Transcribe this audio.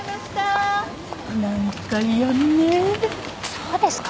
そうですか？